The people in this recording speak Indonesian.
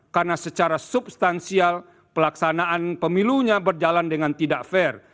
karena secara substansial pelaksanaan pemilunya berjalan dengan tidak fair